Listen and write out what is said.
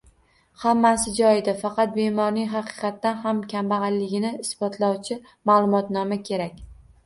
Hammasi joyida, faqat bemorning haqiqatan ham kambag`alligini isbotlovchi ma`lumotnoma kerak